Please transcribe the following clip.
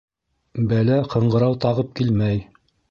Бәлә ҡыңғырау тағып килмәй.